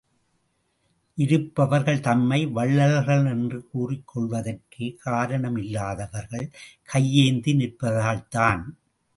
இருப்பவர்கள் தம்மை வள்ளல்கள் என்று கூறிக்கொள்வதற்கே காரணம் இல்லாதவர்கள் கையேந்தி நிற்பதால்தான்.